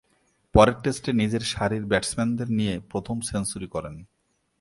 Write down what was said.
পরের টেস্টে নিচের সারির ব্যাটসম্যানদের নিয়ে প্রথম সেঞ্চুরি করেন।